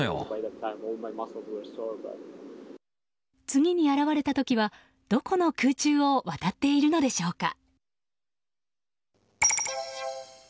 次にあらわれた時はどこの空中を渡っているのでしょうか。